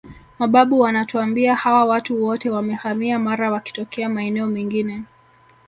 Mababu wanatuambia hawa watu wote wamehamia Mara wakitokea maeneo mengine